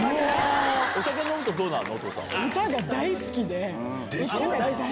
お酒飲むとどうなるの？